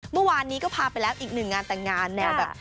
เมื่อวานนี้ก็พาไปแล้วอีกหนึ่งงานแต่งงานแนวแบบ